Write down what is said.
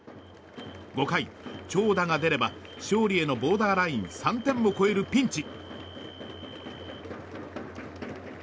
５回、長打が出れば勝利へのボーダーライン３点を超えるピンチ。